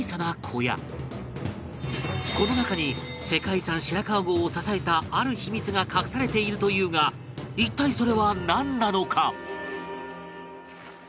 この中に世界遺産白川郷を支えたある秘密が隠されているというが一体それはなんなのか？